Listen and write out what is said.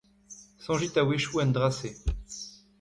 Soñjit a-wechoù en dra-se.